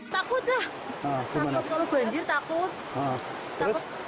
takut lah kalau banjir takut